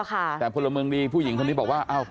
แต่ผู้หญิงที่เป็นผู้ละเมืองดีคนนี้บอกว่า